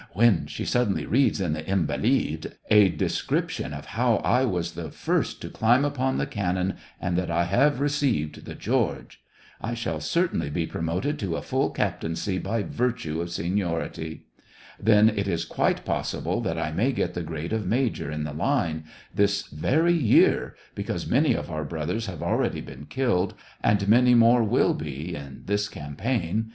. when she suddenly reads in the Invalid a description of how I was the first to climb upon the cannon, and that I have received the George ! I shall certainly be promoted to a full captaincy, by virtue of seniority. Then it is quite possible that I may get the grade of major in the line, this very year, because many of our brothers have already been killed, and many more will be in this campaign.